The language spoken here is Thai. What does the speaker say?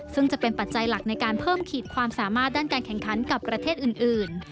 ซึ่งจะเป็นปัจจัยหลักในการเพิ่มขีดความสามารถด้านการแข่งขันกับประเทศอื่น